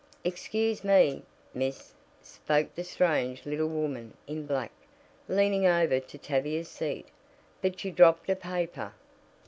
"Excuse me, miss," spoke the strange little woman in black, leaning over to Tavia's seat, "but you dropped a paper."